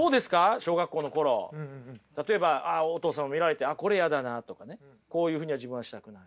小学校の頃例えばお父さんを見られて「あっこれやだな」とかね「こういうふうには自分はしたくない」。